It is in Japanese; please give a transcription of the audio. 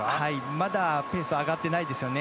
まだペース上がっていないですよね。